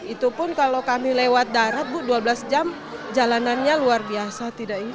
itu pun kalau kami lewat darat bu dua belas jam jalanannya luar biasa